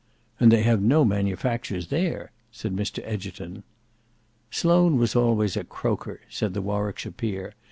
"And they have no manufactures there," said Mr Egerton. "Sloane was always a croaker," said the Warwickshire peer.